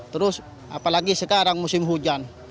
terus apalagi sekarang musim hujan